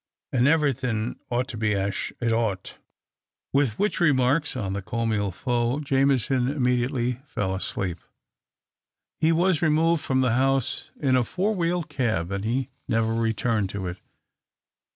And ev'rythin' ought to be ash it ought." With which remarks on the comme THE OCTAVE OF CLAUDIUS. 189 ilfaiit, Jameson immediately fell asleep. He was removed from the house in a four wheeled cab, and he never returned to it.